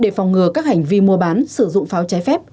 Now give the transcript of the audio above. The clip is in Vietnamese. để phòng ngừa các hành vi mua bán sử dụng pháo trái phép